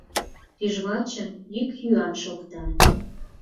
Тӱжвачын йӱк-йӱан шокта.